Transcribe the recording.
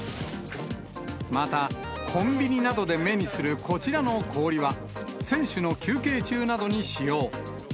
また、コンビニなどで目にするこちらの氷は、選手の休憩中などに使用。